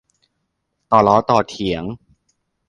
ต่อล้อต่อเถียง